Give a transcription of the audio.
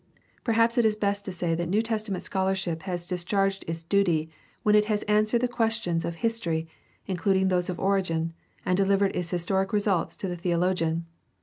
Perhaps it is best to say that New Testament scholarship has discharged its duty when it has answered the questions of history, including those of origin, and delivered its historic results to the theologian.